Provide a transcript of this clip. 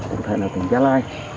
cụ thể là tỉnh gia lai